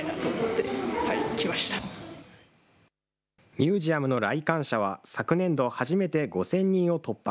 ミュージアムの来館者は昨年度、初めて５０００人を突破。